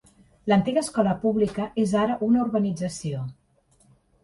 L'antiga escola pública és ara una urbanització.